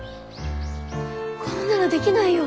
こんなのできないよ。